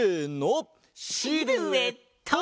シルエット！